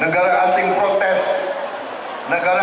negara asing akan protes dan mengancam